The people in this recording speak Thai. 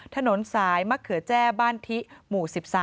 ถนนสายมะเขือแจ้บ้านทิหมู่๑๓